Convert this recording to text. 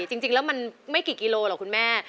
จริงแล้วมันไม่กี่กิโลหรอกคุณแม่